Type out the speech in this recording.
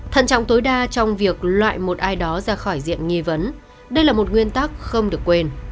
thận trọng tối đa trong việc loại một ai đó ra khỏi diện nghi vấn đây là một nguyên tắc không được quên